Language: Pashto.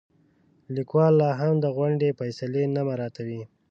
لیکوال لاهم د غونډې فیصلې نه مراعاتوي.